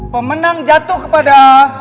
pemenang jatuh kepada